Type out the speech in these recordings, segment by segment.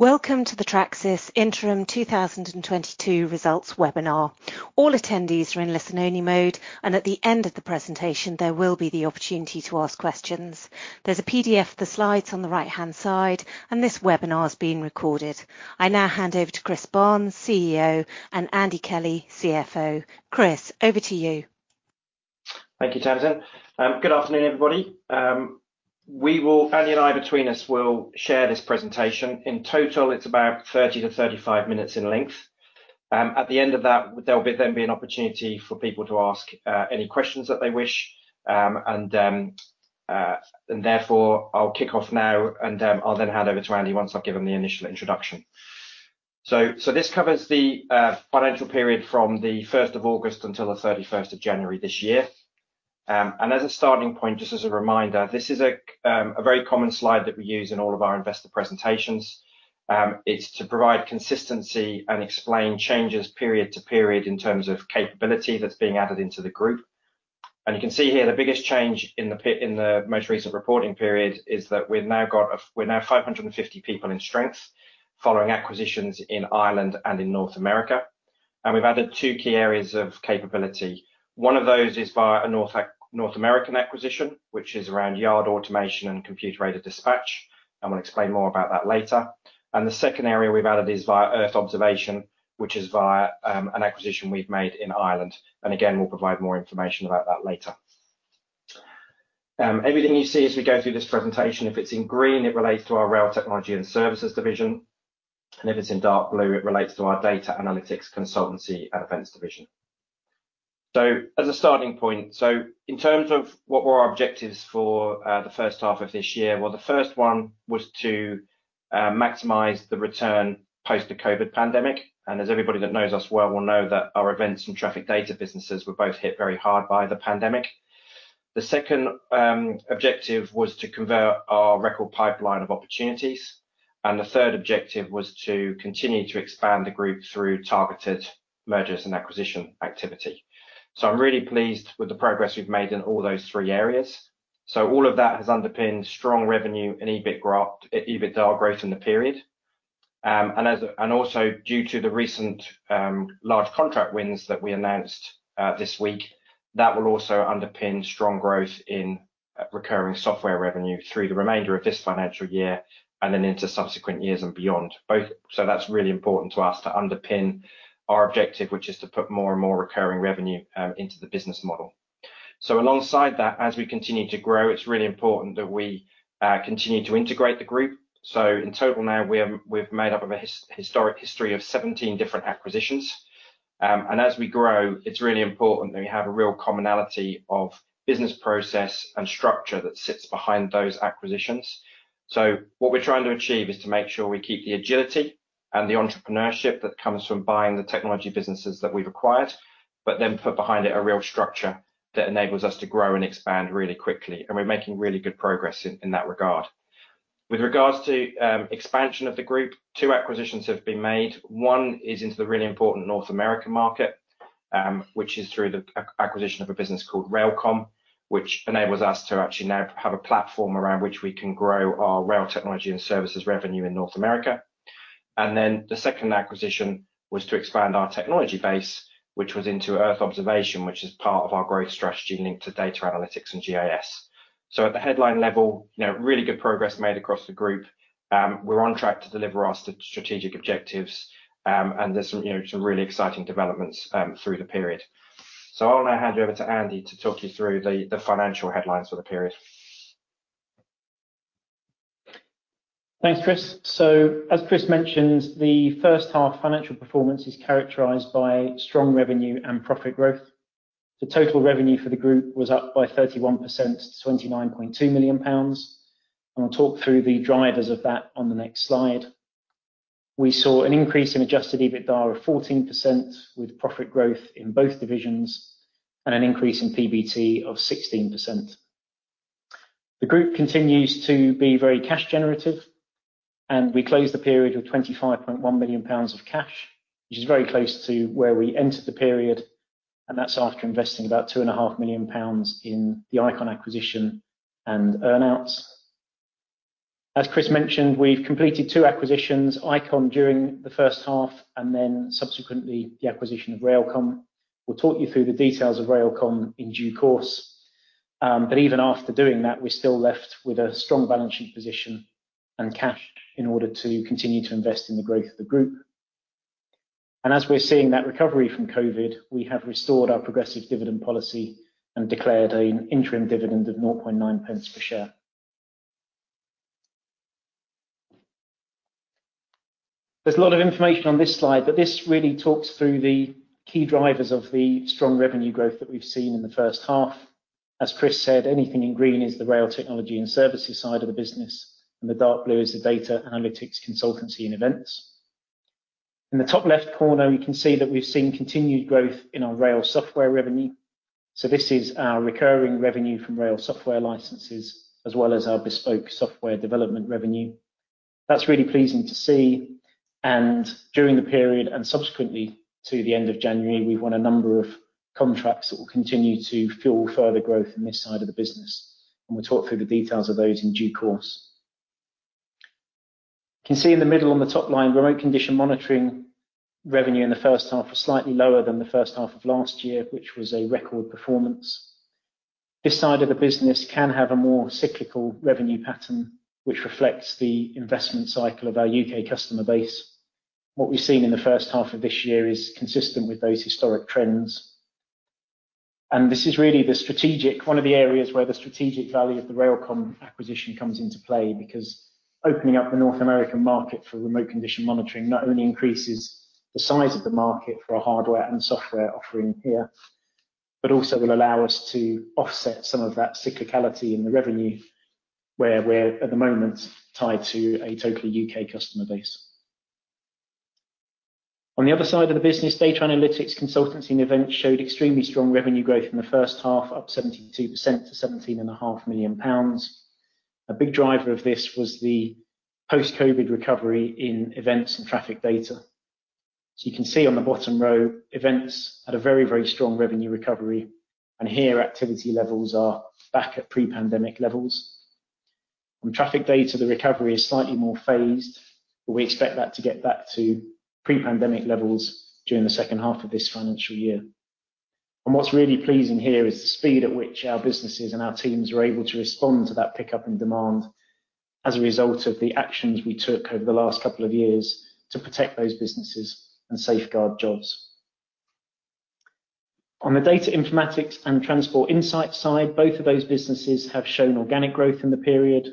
Welcome to the Tracsis Interim 2022 Results Webinar. All attendees are in listen-only mode, and at the end of the presentation, there will be the opportunity to ask questions. There's a PDF of the slides on the right-hand side, and this webinar is being recorded. I now hand over to Chris Barnes, CEO, and Andy Kelly, CFO. Chris, over to you. Thank you, Tamsin. Good afternoon, everybody. Andy and I between us will share this presentation. In total, it's about 30-35 minutes in length. At the end of that, there'll be an opportunity for people to ask any questions that they wish. Therefore I'll kick off now and I'll then hand over to Andy once I've given the initial introduction. This covers the financial period from the 1st of August until the 31st of January this year. As a starting point, just as a reminder, this is a very common slide that we use in all of our investor presentations. It's to provide consistency and explain changes period to period in terms of capability that's being added into the group. You can see here the biggest change in the most recent reporting period is that we're now 550 people in strength following acquisitions in Ireland and in North America. We've added two key areas of capability. One of those is via a North American acquisition, which is around yard automation and computer-aided dispatch. We'll explain more about that later. The second area we've added is via Earth Observation, which is via an acquisition we've made in Ireland. Again, we'll provide more information about that later. Everything you see as we go through this presentation, if it's in green, it relates to our Rail Technology and Services division, and if it's in dark blue, it relates to our Data, Analytics, Consultancy and Events division. As a starting point, in terms of what were our objectives for the first half of this year, well, the first one was to maximize the return post the COVID pandemic. As everybody that knows us well will know that our events and traffic data businesses were both hit very hard by the pandemic. The second objective was to convert our record pipeline of opportunities, and the third objective was to continue to expand the group through targeted mergers and acquisition activity. I'm really pleased with the progress we've made in all those three areas. All of that has under-pinned strong revenue and EBITDA growth in the period. Also due to the recent large contract wins that we announced this week, that will also underpin strong growth in recurring software revenue through the remainder of this financial year and then into subsequent years and beyond. That's really important to us to underpin our objective, which is to put more and more recurring revenue into the business model. Alongside that, as we continue to grow, it's really important that we continue to integrate the group. In total, now we are made up of a historic history of 17 different acquisitions. As we grow, it's really important that we have a real commonality of business process and structure that sits behind those acquisitions. What we're trying to achieve is to make sure we keep the agility and the entrepreneurship that comes from buying the technology businesses that we've acquired, then put behind it a real structure that enables us to grow and expand really quickly, and we're making really good progress in that regard. With regards to expansion of the group, two acquisitions have been made. One is into the really important North American market, which is through the acquisition of a business called RailComm, which enables us to actually now have a platform around which we can grow our Rail Technology and Services revenue in North America. The second acquisition was to expand our technology base, which was into Earth Observation, which is part of our growth strategy linked to data analytics and GIS. At the headline level, you know, really good progress made across the group. We're on track to deliver our strategic objectives. There's some, you know, some really exciting developments through the period. I'll now hand you over to Andy to talk you through the financial headlines for the period. Thanks, Chris. As Chris mentioned, the first half financial performance is characterized by strong revenue and profit growth. The total revenue for the group was up by 31% to 29.2 million pounds. I'll talk through the drivers of that on the next slide. We saw an increase in adjusted EBITDA of 14%, with profit growth in both divisions and an increase in PBT of 16%. The group continues to be very cash generative, and we closed the period with 25.1 million pounds of cash, which is very close to where we entered the period, and that's after investing about 2.5 million pounds in the Icon acquisition and earn-outs. As Chris mentioned, we've completed two acquisitions, Icon during the first half and then subsequently the acquisition of RailComm. We'll talk you through the details of RailComm in due course. Even after doing that, we're still left with a strong balance sheet position and cash in order to continue to invest in the growth of the group. As we're seeing that recovery from COVID, we have restored our progressive dividend policy and declared an interim dividend of 0.9 pence per share. There's a lot of information on this slide, but this really talks through the key drivers of the strong revenue growth that we've seen in the first half. As Chris said, anything in green is the Rail Technology and Services side of the business, and the dark blue is the Data, Analytics, Consultancy and Events. In the top left corner, you can see that we've seen continued growth in our rail software revenue. This is our recurring revenue from rail software licenses as well as our bespoke software development revenue. That's really pleasing to see. During the period and subsequently to the end of January, we've won a number of contracts that will continue to fuel further growth in this side of the business, and we'll talk through the details of those in due course. You can see in the middle on the top line, Remote Condition Monitoring revenue in the first half was slightly lower than the first half of last year, which was a record performance. This side of the business can have a more cyclical revenue pattern, which reflects the investment cycle of our U.K. customer base. What we've seen in the first half of this year is consistent with those historic trends, and this is really one of the areas where the strategic value of the RailComm acquisition comes into play. Because opening up the North American market for Remote Condition Monitoring not only increases the size of the market for our hardware and software offering here, but also will allow us to offset some of that cyclicality in the revenue where we're, at the moment, tied to a totally U.K. customer base. On the other side of the business, Data, Analytics, Consultancy and Events showed extremely strong revenue growth in the first half, up 72% to 17.5 million pounds. A big driver of this was the post-COVID recovery in events and traffic data. You can see on the bottom row, events had a very, very strong revenue recovery, and here activity levels are back at pre-pandemic levels. On traffic data, the recovery is slightly more phased, but we expect that to get back to pre-pandemic levels during the H2 of this financial year. What's really pleasing here is the speed at which our businesses and our teams were able to respond to that pickup in demand as a result of the actions we took over the last couple of years to protect those businesses and safeguard jobs. On the data informatics and transport insight side, both of those businesses have shown organic growth in the period.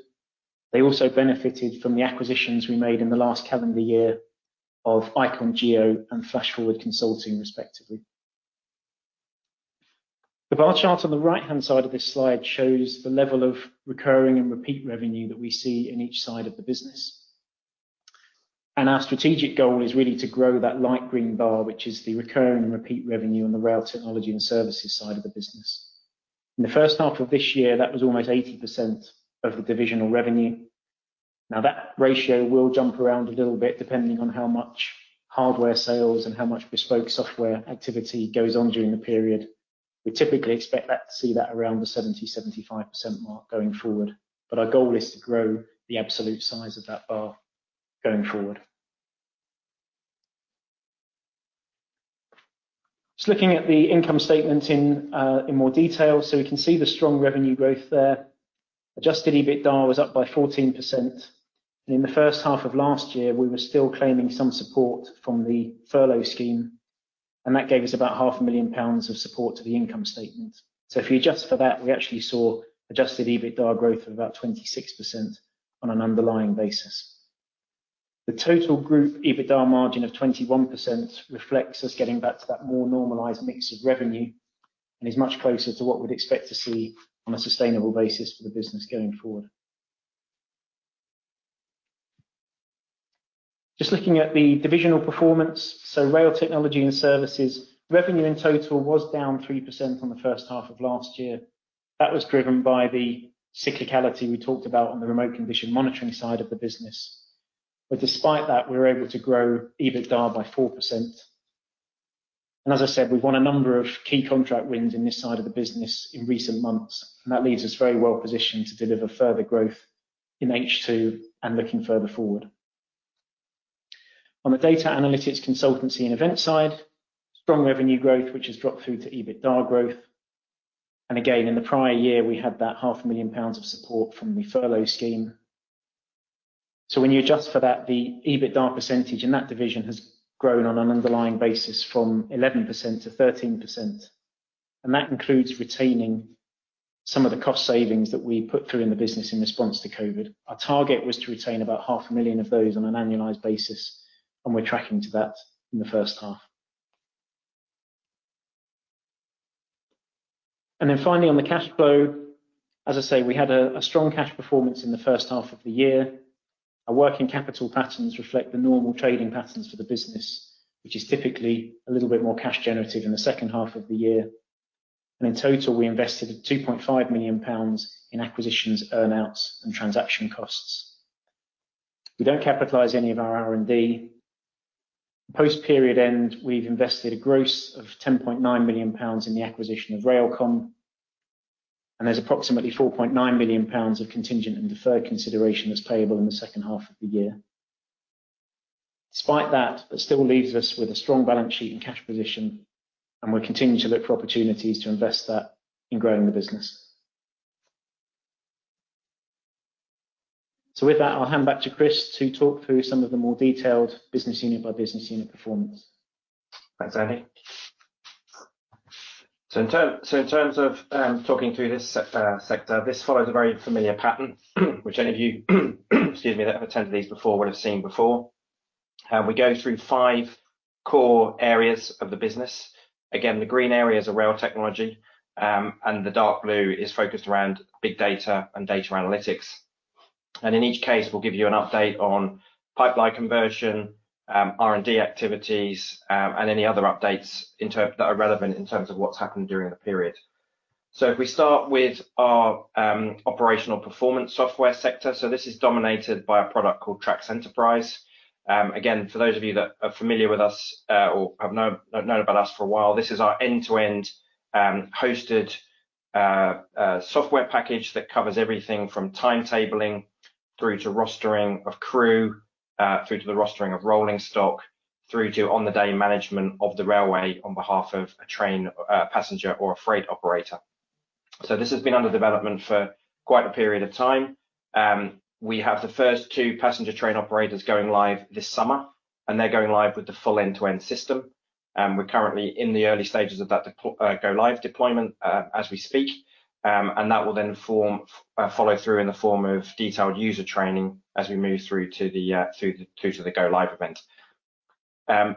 They also benefited from the acquisitions we made in the last calendar year of Icon GEO and Flash Forward Consulting, respectively. The bar chart on the right-hand side of this slide shows the level of recurring and repeat revenue that we see in each side of the business. Our strategic goal is really to grow that light green bar, which is the recurring and repeat revenue on the Rail Technology and Services side of the business. In the first half of this year, that was almost 80% of the divisional revenue. Now, that ratio will jump around a little bit depending on how much hardware sales and how much bespoke software activity goes on during the period. We typically expect that to see that around the 70% - 75% mark going forward, but our goal is to grow the absolute size of that bar going forward. Just looking at the income statement in more detail, so we can see the strong revenue growth there. Adjusted EBITDA was up by 14%, and in the first half of last year, we were still claiming some support from the furlough scheme, and that gave us about half a million pounds of support to the income statement. If you adjust for that, we actually saw adjusted EBITDA growth of about 26% on an underlying basis. The total group EBITDA margin of 21% reflects us getting back to that more normalized mix of revenue and is much closer to what we'd expect to see on a sustainable basis for the business going forward. Just looking at the divisional performance. Rail Technology and Services revenue in total was down 3% on the first half of last year. That was driven by the cyclicality we talked about on the Remote Condition Monitoring side of the business. Despite that, we were able to grow EBITDA by 4%. As I said, we've won a number of key contract wins in this side of the business in recent months, and that leaves us very well positioned to deliver further growth in H2 and looking further forward. On the Data, Analytics, Consultancy and Events side, strong revenue growth, which has dropped through to EBITDA growth. Again, in the prior year, we had 500,000 pounds of support from the furlough scheme. When you adjust for that, the EBITDA percentage in that division has grown on an underlying basis from 11%-13%, and that includes retaining some of the cost savings that we put through in the business in response to COVID. Our target was to retain about half a million of those on an annualized basis, and we're tracking to that in the first half. Then finally on the cash flow, as I say, we had a strong cash performance in the first half of the year. Our working capital patterns reflect the normal trading patterns for the business, which is typically a little bit more cash generative in the second half of the year. In total, we invested 2.5 million pounds in acquisitions, earn-outs, and transaction costs. We don't capitalize any of our R&D. Post-period end, we've invested a gross of $10.9 million in the acquisition of RailComm, and there's approximately 4.9 million pounds of contingent and deferred consideration that's payable in the second half of the year. Despite that still leaves us with a strong balance sheet and cash position, and we're continuing to look for opportunities to invest that in growing the business. With that, I'll hand back to Chris to talk through some of the more detailed business unit by business unit performance. Thanks, Andy. In terms of talking through this sector, this follows a very familiar pattern which any of you, excuse me, that have attended these before would have seen before. We go through five core areas of the business. Again, the green area is the rail technology, and the dark blue is focused around big data and data analytics. In each case, we'll give you an update on pipeline conversion, R&D activities, and any other updates that are relevant in terms of what's happened during the period. If we start with our operational performance software sector. This is dominated by a product called TRACS Enterprise. Again, for those of you that are familiar with us, or have known about us for a while, this is our end-to-end, hosted, software package that covers everything from timetabling through to rostering of crew, through to the rostering of rolling stock, through to on-the-day management of the railway on behalf of a train passenger or a freight operator. This has been under development for quite a period of time. We have the first two passenger train operators going live this summer, and they're going live with the full end-to-end system. We're currently in the early stages of that go-live deployment, as we speak. That will then form follow through in the form of detailed user training as we move through to the go-live event.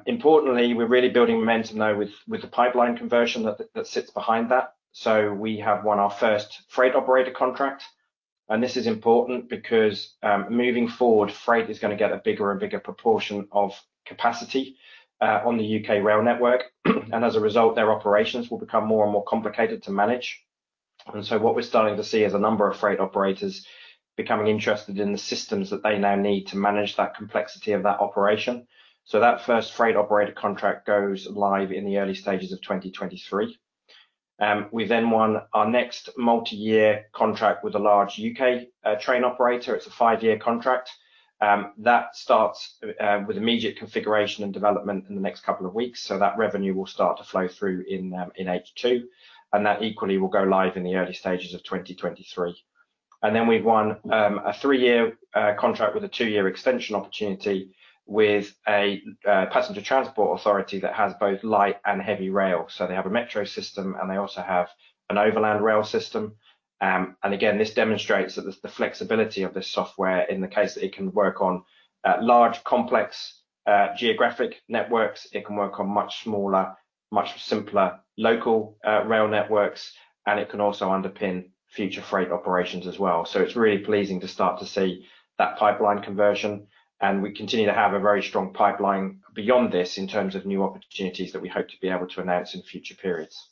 Importantly, we're really building momentum though with the pipeline conversion that sits behind that. We have won our first freight operator contract, and this is important because moving forward, freight is gonna get a bigger and bigger proportion of capacity on the U.K. rail network, and as a result, their operations will become more and more complicated to manage. What we're starting to see is a number of freight operators becoming interested in the systems that they now need to manage that complexity of that operation. That first freight operator contract goes live in the early stages of 2023. We then won our next multi-year contract with a large U.K. train operator. It's a five-year contract that starts with immediate configuration and development in the next couple of weeks, so that revenue will start to flow through in H2, and that equally will go live in the early stages of 2023. We've won a three-year contract with a two-year extension opportunity with a passenger transport authority that has both light and heavy rail. They have a metro system, and they also have an overland rail system. Again, this demonstrates that the flexibility of this software in the case that it can work on large complex geographic networks, it can work on much smaller, much simpler local rail networks, and it can also underpin future freight operations as well. It's really pleasing to start to see that pipeline conversion, and we continue to have a very strong pipeline beyond this in terms of new opportunities that we hope to be able to announce in future periods.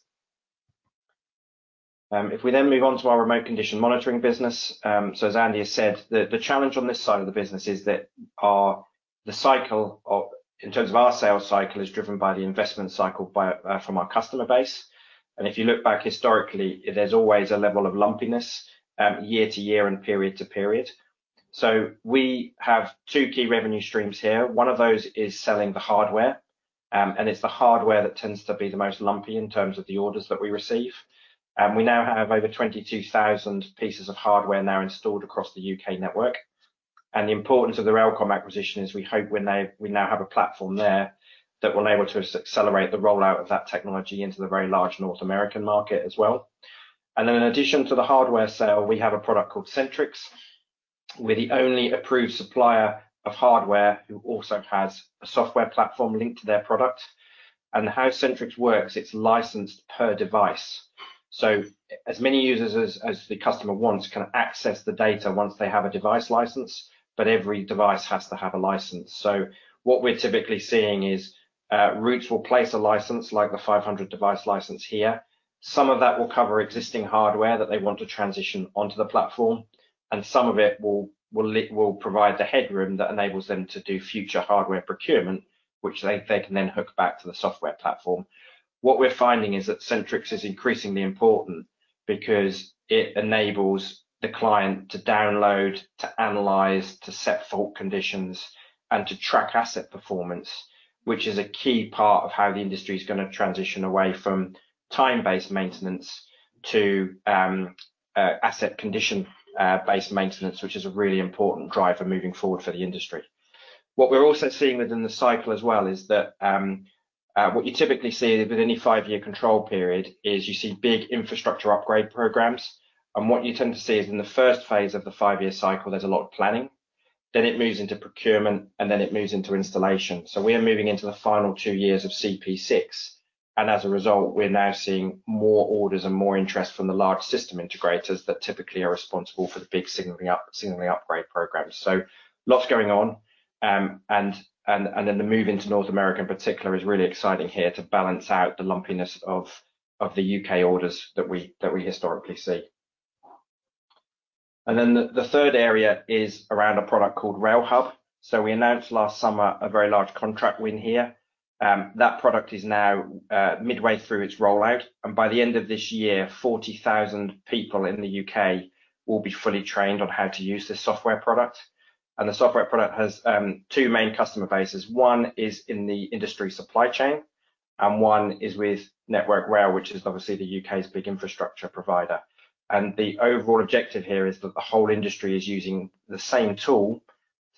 If we then move on to our Remote Condition Monitoring business. As Andy has said, the challenge on this side of the business is that our sales cycle is driven by the investment cycle from our customer base. If you look back historically, there's always a level of lumpiness year to year and period to period. We have two key revenue streams here. One of those is selling the hardware, and it's the hardware that tends to be the most lumpy in terms of the orders that we receive. We now have over 22,000 pieces of hardware installed across the U.K. network. The importance of the RailComm acquisition is we hope we now have a platform there that will enable us to accelerate the rollout of that technology into the very large North American market as well. In addition to the hardware sale, we have a product called Centrix. We're the only approved supplier of hardware who also has a software platform linked to their product. How Centrix works, it's licensed per device. As many users as the customer wants can access the data once they have a device license, but every device has to have a license. What we're typically seeing is routes will place a license like the 500 device license here. Some of that will cover existing hardware that they want to transition onto the platform, and some of it will provide the headroom that enables them to do future hardware procurement, which they can then hook back to the software platform. What we're finding is that Centrix is increasingly important because it enables the client to download, to analyze, to set fault conditions, and to track asset performance, which is a key part of how the industry is gonna transition away from time-based maintenance to asset condition-based maintenance, which is a really important driver moving forward for the industry. What we're also seeing within the cycle as well is that what you typically see with any five-year control period is you see big infrastructure upgrade programs. What you tend to see is in the first phase of the five-year cycle, there's a lot of planning. Then it moves into procurement, and then it moves into installation. We are moving into the final two years of CP6, and as a result, we're now seeing more orders and more interest from the large system integrators that typically are responsible for the big signaling upgrade programs. Lots going on. Then the move into North America in particular is really exciting here to balance out the lumpiness of the UK orders that we historically see. Then the third area is around a product called RailHub. We announced last summer a very large contract win here. That product is now midway through its rollout, and by the end of this year, 40,000 people in the U.K. will be fully trained on how to use this software product. The software product has two main customer bases. One is in the industry supply chain, and one is with Network Rail, which is obviously the U.K.'s big infrastructure provider. The overall objective here is that the whole industry is using the same tool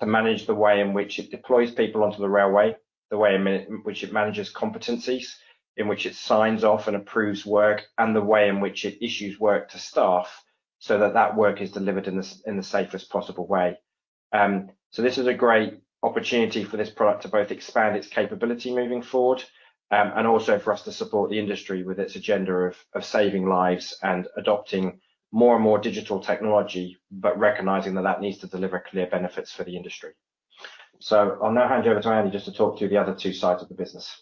to manage the way in which it deploys people onto the railway, the way in which it manages competencies, in which it signs off and approves work, and the way in which it issues work to staff so that that work is delivered in the safest possible way. This is a great opportunity for this product to both expand its capability moving forward, and also for us to support the industry with its agenda of saving lives and adopting more and more digital technology, but recognizing that that needs to deliver clear benefits for the industry. I'll now hand you over to Andy just to talk to you the other two sides of the business.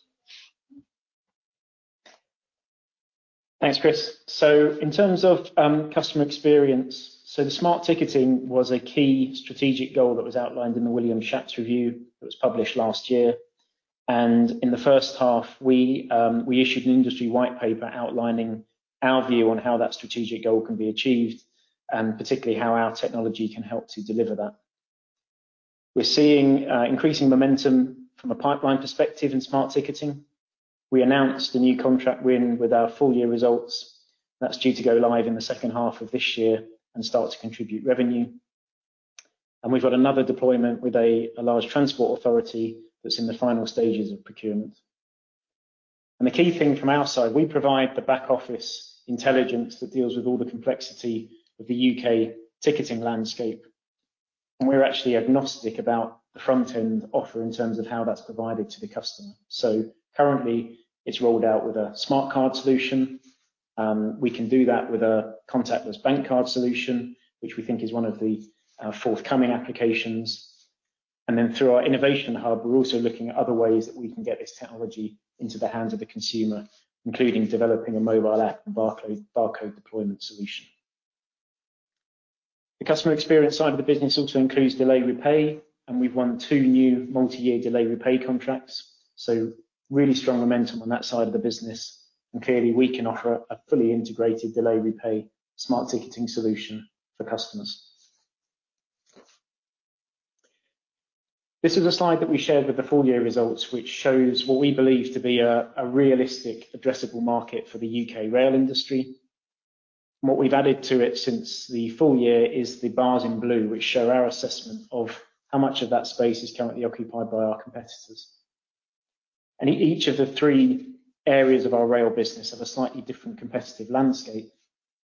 Thanks, Chris. In terms of customer experience, the Smart Ticketing was a key strategic goal that was outlined in the Williams-Shapps review that was published last year. In the first half we issued an industry white paper outlining our view on how that strategic goal can be achieved, and particularly how our technology can help to deliver that. We're seeing increasing momentum from a pipeline perspective in Smart Ticketing. We announced a new contract win with our full year results. That's due to go live in the second half of this year and start to contribute revenue. We've got another deployment with a large transport authority that's in the final stages of procurement. The key thing from our side, we provide the back office intelligence that deals with all the complexity of the UK ticketing landscape. We're actually agnostic about the front end offer in terms of how that's provided to the customer. Currently it's rolled out with a smart card solution. We can do that with a contactless bank card solution, which we think is one of the forthcoming applications. Through our innovation hub, we're also looking at other ways that we can get this technology into the hands of the consumer, including developing a mobile app and barcode deployment solution. The customer experience side of the business also includes Delay Repay, and we've won two new multi-year Delay Repay contracts, so really strong momentum on that side of the business. Clearly we can offer a fully integrated Delay Repay Smart Ticketing solution for customers. This is a slide that we shared with the full year results, which shows what we believe to be a realistic addressable market for the U.K. rail industry. What we've added to it since the full year is the bars in blue, which show our assessment of how much of that space is currently occupied by our competitors. Each of the three areas of our rail business have a slightly different competitive landscape.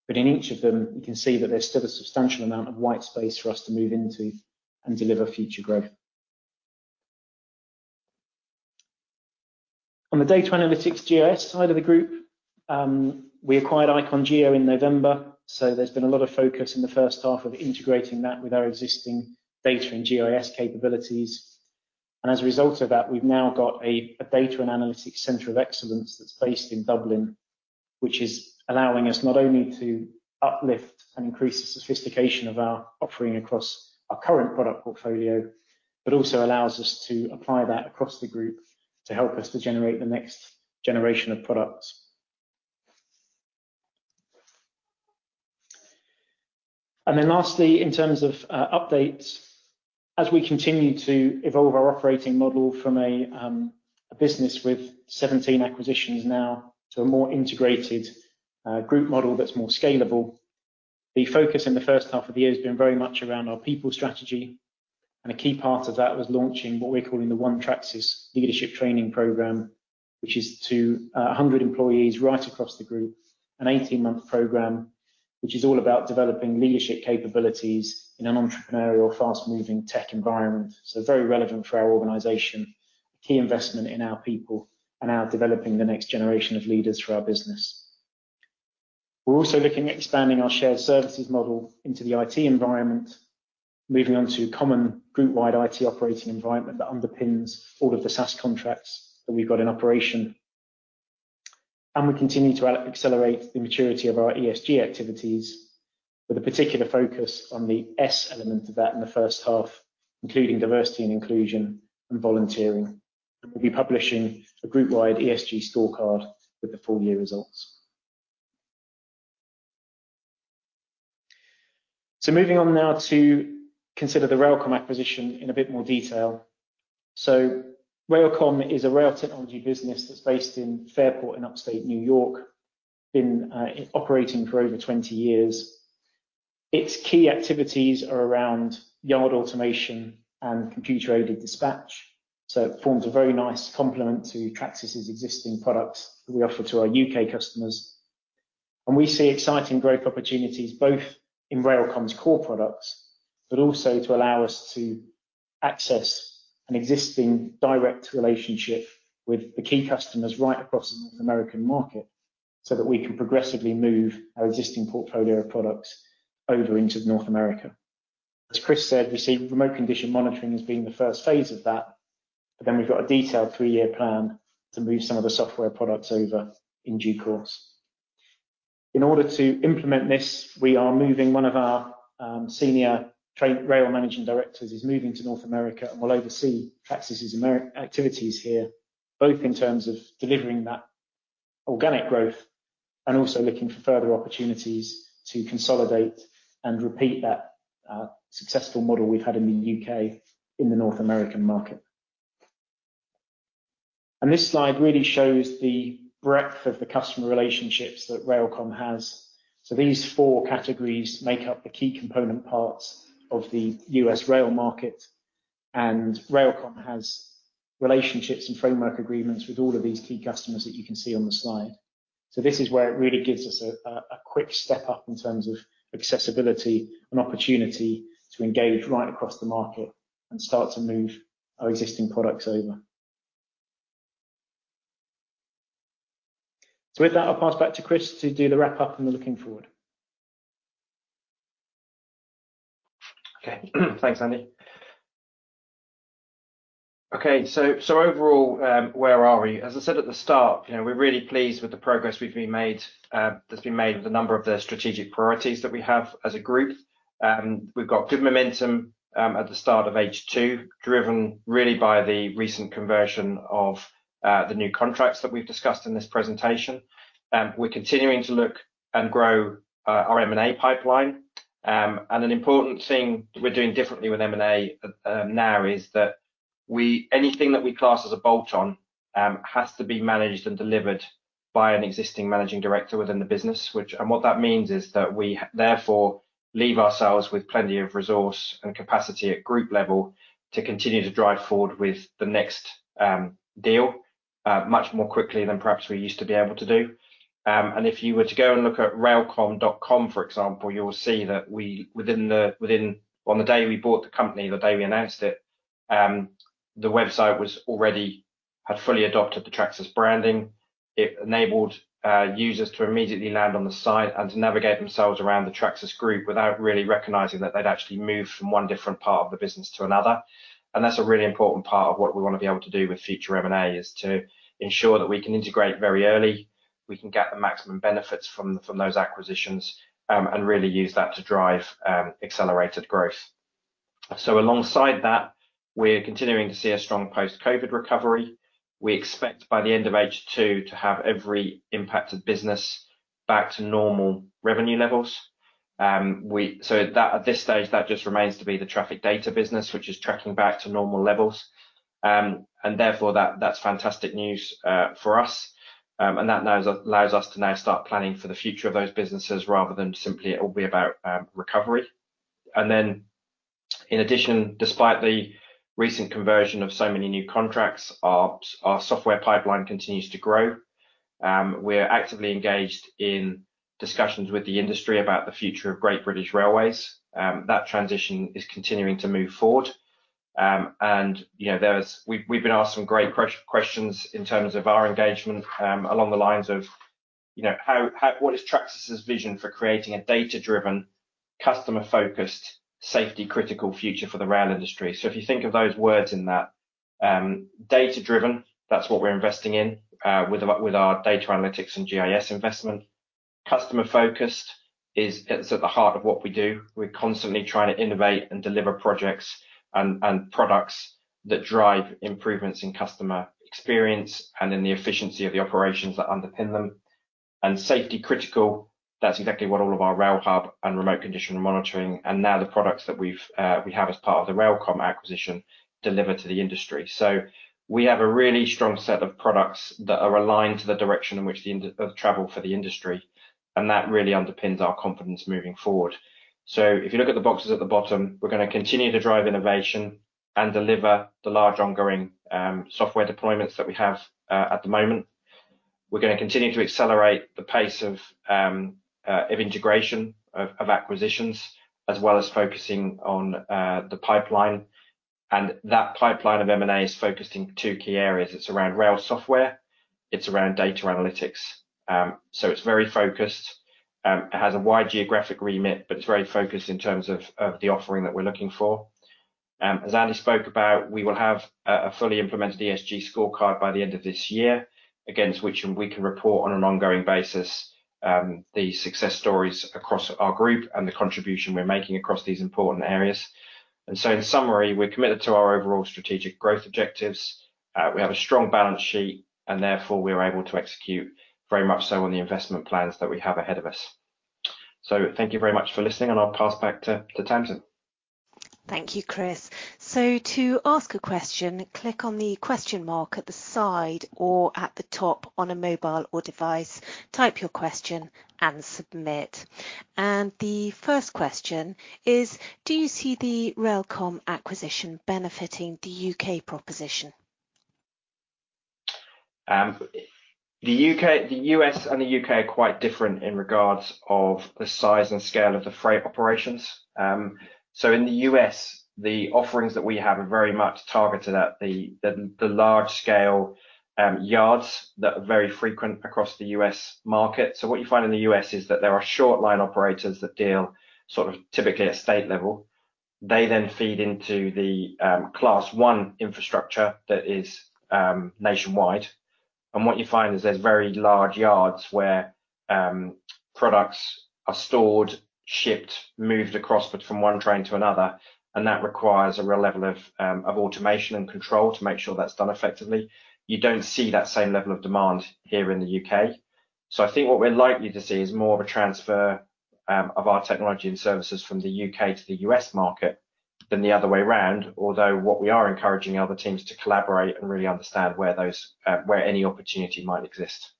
In each of them you can see that there's still a substantial amount of white space for us to move into and deliver future growth. On the data analytics GIS side of the group, we acquired Icon Geo in November, so there's been a lot of focus in the first half of integrating that with our existing data and GIS capabilities. As a result of that, we've now got a data and analytics center of excellence that's based in Dublin, which is allowing us not only to uplift and increase the sophistication of our offering across our current product portfolio, but also allows us to apply that across the group to help us to generate the next generation of products. Then lastly, in terms of updates, as we continue to evolve our operating model from a business with 17 acquisitions now to a more integrated group model that's more scalable. The focus in the first half of the year has been very much around our people strategy, and a key part of that was launching what we're calling the One Tracsis leadership training program, which is to 100 employees right across the group, an 18-month program, which is all about developing leadership capabilities in an entrepreneurial, fast-moving tech environment, so very relevant for our organization, a key investment in our people and our developing the next generation of leaders for our business. We're also looking at expanding our shared services model into the IT environment, moving on to a common group-wide IT operating environment that underpins all of the SaaS contracts that we've got in operation. We continue to accelerate the maturity of our ESG activities with a particular focus on the S element of that in the first half, including diversity and inclusion and volunteering. We'll be publishing a group-wide ESG scorecard with the full year results. Moving on now to consider the RailComm acquisition in a bit more detail. RailComm is a rail technology business that's based in Fairport in upstate New York. It has been operating for over 20 years. Its key activities are around Yard Automation and Computer-Aided Dispatch. It forms a very nice complement to Tracsis' existing products that we offer to our U.K. customers. We see exciting growth opportunities both in RailComm's core products, but also to allow us to access an existing direct relationship with the key customers right across the North American market, so that we can progressively move our existing portfolio of products over into North America. As Chris said, we see Remote Condition Monitoring as being the first phase of that. We've got a detailed three-year plan to move some of the software products over in due course. In order to implement this, we are moving one of our senior rail managing directors is moving to North America and will oversee Tracsis' American activities here, both in terms of delivering that organic growth and also looking for further opportunities to consolidate and repeat that successful model we've had in the U.K., in the North American market. This slide really shows the breadth of the customer relationships that RailComm has. These four categories make up the key component parts of the U.S. rail market. RailComm has relationships and framework agreements with all of these key customers that you can see on the slide. This is where it really gives us a quick step up in terms of accessibility and opportunity to engage right across the market and start to move our existing products over. With that, I'll pass back to Chris to do the wrap up and the looking forward. [inaudible] Thanks, Andy. Overall, where are we? As I said at the start, you know, we're really pleased with the progress that's been made with a number of the strategic priorities that we have as a group. We've got good momentum at the start of H2, driven really by the recent conversion of the new contracts that we've discussed in this presentation. We're continuing to look and grow our M&A pipeline. An important thing we're doing differently with M&A now is that anything that we class as a bolt-on has to be managed and delivered by an existing managing director within the business, which What that means is that we therefore leave ourselves with plenty of resource and capacity at group level to continue to drive forward with the next deal much more quickly than perhaps we used to be able to do. If you were to go and look at railcomm.com, for example, you will see that we within on the day we bought the company, the day we announced it, the website was already had fully adopted the Tracsis branding. It enabled users to immediately land on the site and to navigate themselves around the Tracsis group without really recognizing that they'd actually moved from one different part of the business to another. That's a really important part of what we wanna be able to do with future M&A, is to ensure that we can integrate very early, we can get the maximum benefits from those acquisitions, and really use that to drive accelerated growth. Alongside that, we're continuing to see a strong post-COVID recovery. We expect by the end of H2 to have every impacted business back to normal revenue levels. At this stage, that just remains to be the traffic data business, which is tracking back to normal levels. That now allows us to start planning for the future of those businesses rather than simply it will be about recovery. In addition, despite the recent conversion of so many new contracts, our software pipeline continues to grow. We're actively engaged in discussions with the industry about the future of Great British Railways. That transition is continuing to move forward. You know, we've been asked some great questions in terms of our engagement, along the lines of, you know, what is Tracsis' vision for creating a data-driven, customer-focused, safety critical future for the rail industry? If you think of those words in that, data-driven, that's what we're investing in, with our data analytics and GIS investment. Customer-focused is, it's at the heart of what we do. We're constantly trying to innovate and deliver projects and products that drive improvements in customer experience and in the efficiency of the operations that underpin them. Safety critical, that's exactly what all of our RailHub and Remote Condition Monitoring and now the products that we have as part of the RailComm acquisition deliver to the industry. We have a really strong set of products that are aligned to the direction of travel for the industry, and that really underpins our confidence moving forward. If you look at the boxes at the bottom, we're gonna continue to drive innovation and deliver the large ongoing software deployments that we have at the moment. We're gonna continue to accelerate the pace of integration of acquisitions, as well as focusing on the pipeline. That pipeline of M&A is focused in two key areas. It's around rail software, it's around data analytics. It's very focused. It has a wide geographic remit, but it's very focused in terms of the offering that we're looking for. As Andy spoke about, we will have a fully implemented ESG scorecard by the end of this year against which we can report on an ongoing basis the success stories across our group and the contribution we're making across these important areas. In summary, we're committed to our overall strategic growth objectives. We have a strong balance sheet, and therefore we are able to execute very much so on the investment plans that we have ahead of us. Thank you very much for listening, and I'll pass back to Tamsin. Thank you, Chris. To ask a question, click on the question mark at the side or at the top on a mobile or device, type your question and submit. The first question is, do you see the RailComm acquisition benefiting the U.K. proposition? The U.S. and the U.K. are quite different in regards to the size and scale of the freight operations. In the U.S., the offerings that we have are very much targeted at the large-scale yards that are very frequent across the U.S. market. What you find in the U.S. is that there are short-line operators that deal sort of typically at state level. They then feed into the Class I infrastructure that is nationwide. What you find is there's very large yards where products are stored, shipped, moved across, but from one train to another, and that requires a real level of automation and control to make sure that's done effectively. You don't see that same level of demand here in the U.K. I think what we're likely to see is more of a transfer of our technology and services from the U.K. to the U.S. market than the other way around. Although what we are encouraging are the teams to collaborate and really understand where any opportunity might exist.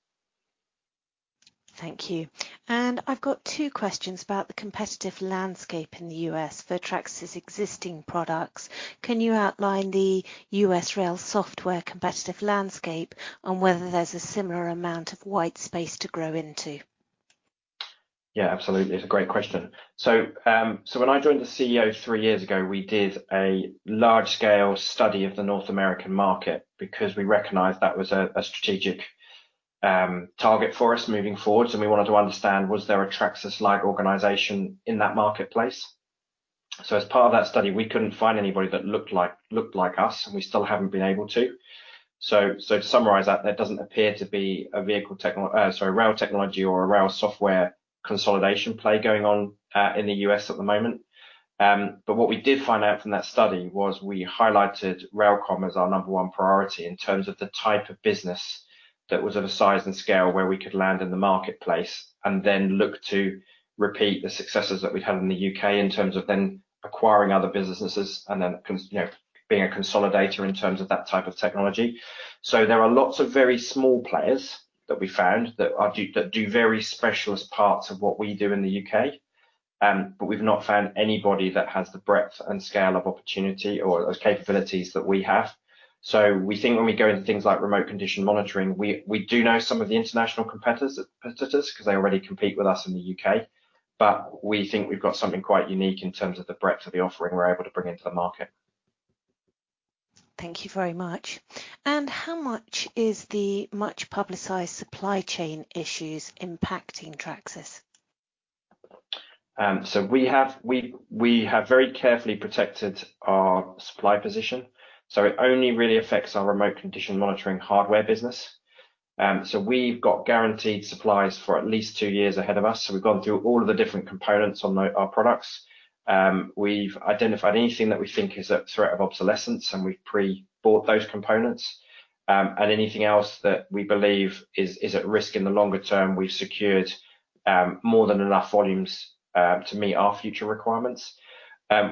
Thank you. I've got two questions about the competitive landscape in the U.S. for Tracsis existing products. Can you outline the U.S. rail software competitive landscape and whether there's a similar amount of wide space to grow into? Yeah, absolutely. It's a great question. When I joined as CEO three years ago, we did a large-scale study of the North American market because we recognized that was a strategic target for us moving forward, so we wanted to understand was there a Tracsis-like organization in that marketplace. As part of that study, we couldn't find anybody that looked like us, and we still haven't been able to. To summarize that, there doesn't appear to be a rail technology or a rail software consolidation play going on in the U.S. at the moment. What we did find out from that study was we highlighted RailComm as our No.1 priority in terms of the type of business that was of a size and scale where we could land in the marketplace and then look to repeat the successes that we'd had in the U.K. in terms of then acquiring other businesses and then you know, being a consolidator in terms of that type of technology. There are lots of very small players that we found that do very specialist parts of what we do in the U.K., but we've not found anybody that has the breadth and scale of opportunity or those capabilities that we have. We think when we go into things like Remote Condition Monitoring, we do know some of the international competitors 'cause they already compete with us in the U.K., but we think we've got something quite unique in terms of the breadth of the offering we're able to bring into the market. Thank you very much. How much is the much-publicized supply chain issues impacting Tracsis? We have very carefully protected our supply position, so it only really affects our Remote Condition Monitoring hardware business. We've got guaranteed supplies for at least two years ahead of us, so we've gone through all of the different components on our products. We've identified anything that we think is at threat of obsolescence, and we've pre-bought those components. Anything else that we believe is at risk in the longer term, we've secured more than enough volumes to meet our future requirements.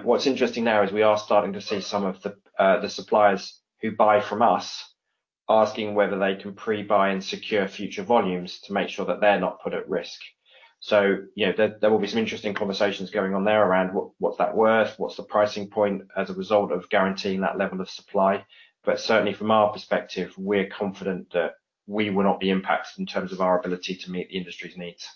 What's interesting now is we are starting to see some of the suppliers who buy from us asking whether they can pre-buy and secure future volumes to make sure that they're not put at risk. You know, there will be some interesting conversations going on there around what's that worth, what's the pricing point as a result of guaranteeing that level of supply. Certainly from our perspective, we're confident that we will not be impacted in terms of our ability to meet the industry's needs.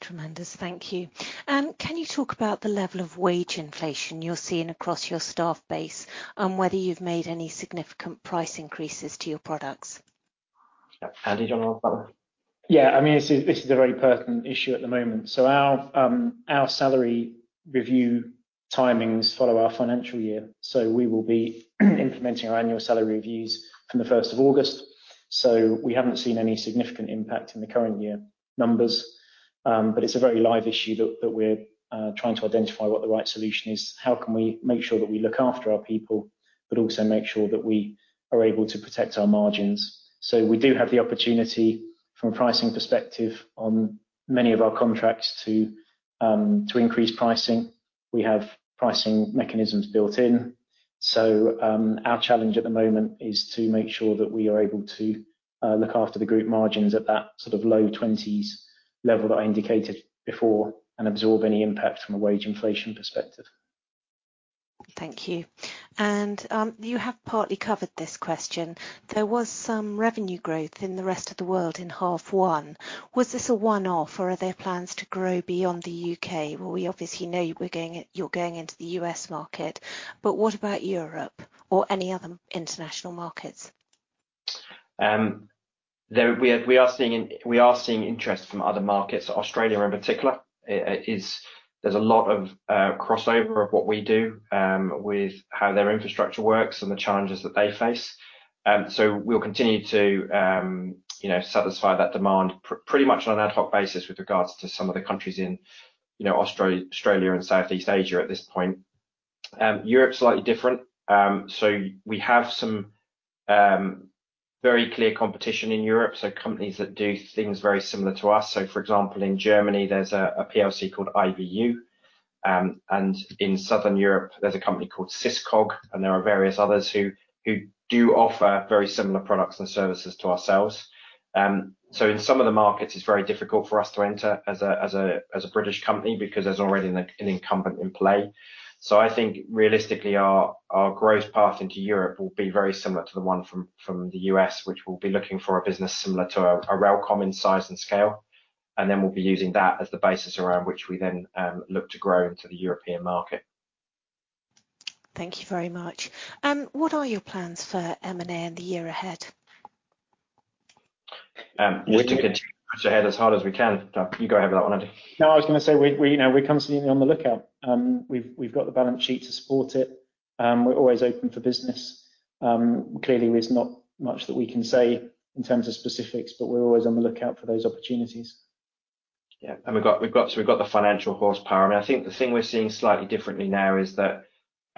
Tremendous. Thank you. Can you talk about the level of wage inflation you're seeing across your staff base and whether you've made any significant price increases to your products? Andy, do you wanna go that one? [inaudible] Yeah. I mean, this is a very pertinent issue at the moment. Our salary review timings follow our financial year, so we will be implementing our annual salary reviews from the 1st of August. We haven't seen any significant impact in the current year numbers, but it's a very live issue that we're trying to identify what the right solution is. How can we make sure that we look after our people but also make sure that we are able to protect our margins? We do have the opportunity from a pricing perspective on many of our contracts to increase pricing. We have pricing mechanisms built in. Our challenge at the moment is to make sure that we are able to look after the group margins at that sort of low-20s% level that I indicated before and absorb any impact from a wage inflation perspective. Thank you. You have partly covered this question. There was some revenue growth in the rest of the world in H1. Was this a one-off, or are there plans to grow beyond the U.K.? Well, we obviously know you're going into the U.S. market, but what about Europe or any other international markets? We are seeing interest from other markets. Australia in particular. There's a lot of crossover of what we do with how their infrastructure works and the challenges that they face. We'll continue to you know satisfy that demand pretty much on an ad hoc basis with regards to some of the countries in you know Australia and Southeast Asia at this point. Europe's slightly different. We have some very clear competition in Europe, so companies that do things very similar to us. For example, in Germany, there's a company called IVU, and in Southern Europe there's a company called SISCOG, and there are various others who do offer very similar products and services to ourselves. In some of the markets it's very difficult for us to enter as a British company because there's already an incumbent in play. I think realistically our growth path into Europe will be very similar to the one from the U.S., which we'll be looking for a business similar to a RailComm in size and scale, and then we'll be using that as the basis around which we then look to grow into the European market. Thank you very much. What are your plans for M&A in the year ahead? Just to continue to push ahead as hard as we can. You go ahead with that one, Andy. No, I was gonna say we, you know, we're constantly on the lookout. We've got the balance sheet to support it. We're always open for business. Clearly there's not much that we can say in terms of specifics, but we're always on the lookout for those opportunities. We've got the financial horsepower. I mean, I think the thing we're seeing slightly differently now is that,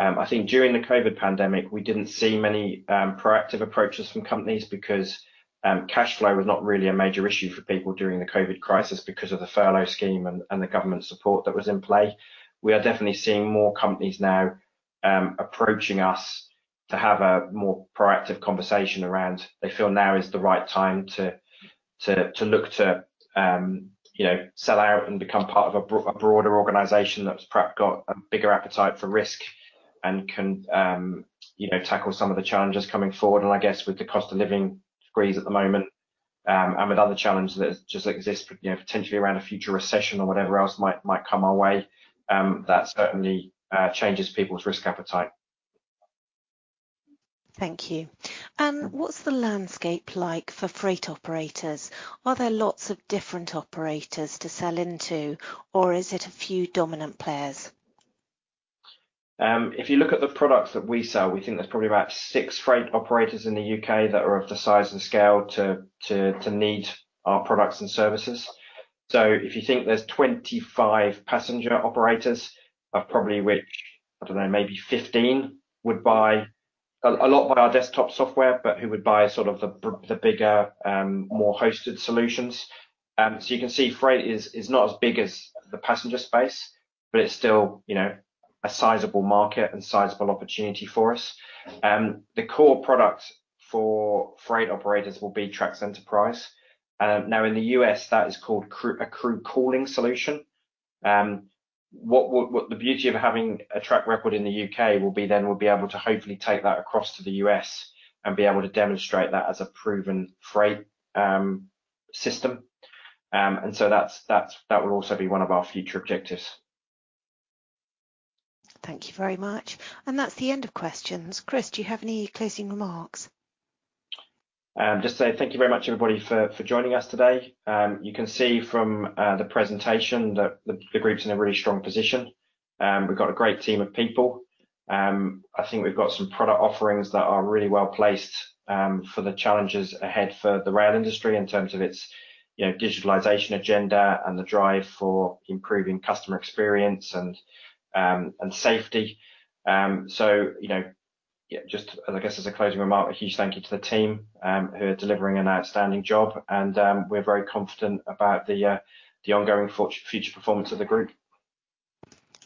I think during the COVID pandemic, we didn't see many proactive approaches from companies because cash flow was not really a major issue for people during the COVID crisis because of the furlough scheme and the government support that was in play. We are definitely seeing more companies now approaching us to have a more proactive conversation around they feel now is the right time to look to, you know, sell out and become part of a broader organization that's got a bigger appetite for risk and can, you know, tackle some of the challenges coming forward. I guess with the cost of living squeeze at the moment, and with other challenges that just exist, you know, potentially around a future recession or whatever else might come our way, that certainly changes people's risk appetite. Thank you. What's the landscape like for freight operators? Are there lots of different operators to sell into, or is it a few dominant players? If you look at the products that we sell, we think there's probably about six freight operators in the U.K. that are of the size and scale to need our products and services. If you think there's 25 passenger operators of probably which, I don't know, maybe 15 would buy. A lot buy our desktop software, but who would buy sort of the bigger, more hosted solutions. You can see freight is not as big as the passenger space, but it's still, you know, a sizable market and sizable opportunity for us. The core product for freight operators will be TRACS Enterprise. Now in the U.S. that is called a crew calling solution. The beauty of having a track record in the U.K. will be then we'll be able to hopefully take that across to the U.S. and be able to demonstrate that as a proven freight system. That will also be one of our future objectives. Thank you very much. That's the end of questions. Chris, do you have any closing remarks? Just to say thank you very much everybody for joining us today. You can see from the presentation that the group's in a really strong position. We've got a great team of people. I think we've got some product offerings that are really well-placed for the challenges ahead for the rail industry in terms of its, you know, digitalization agenda and the drive for improving customer experience and safety. You know, yeah, just as I guess as a closing remark, a huge thank you to the team who are delivering an outstanding job and we're very confident about the ongoing future performance of the group.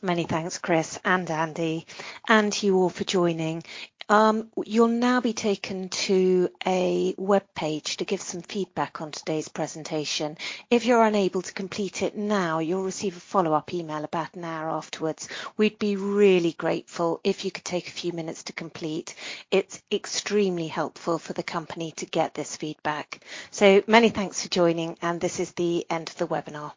Many thanks, Chris and Andy, and you all for joining. You'll now be taken to a webpage to give some feedback on today's presentation. If you're unable to complete it now, you'll receive a follow-up email about an hour afterwards. We'd be really grateful if you could take a few minutes to complete. It's extremely helpful for the company to get this feedback. Many thanks for joining, and this is the end of the webinar.